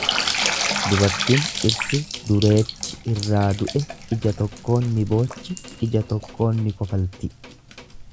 Dubartin dhirsi dureechi irraa du'e ija tokkoon ni boochi ija tokkoon ni kofalti.